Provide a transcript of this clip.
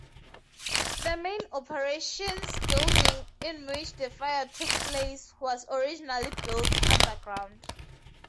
The main operations building, in which the fire took place, was originally built underground.